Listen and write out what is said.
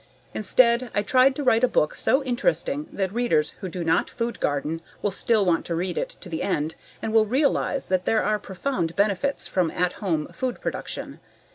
Instead, I tried to write a book so interesting that readers who do not food garden will still want to read it to the end and will realize that there are profound benefits from at home food production.